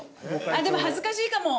あっでも恥ずかしいかも！